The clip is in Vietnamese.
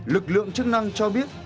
lực lượng chức năng cho biết